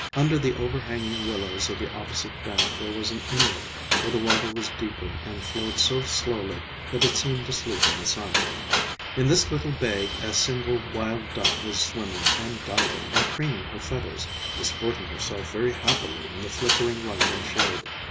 Under the overhanging willows of the opposite bank there was an inlet where the water was deeper and flowed so slowly that it seemed to sleep in the sun. In this little bay a single wild duck was swimming and diving and preening her feathers, disporting herself very happily in the flickering light and shade.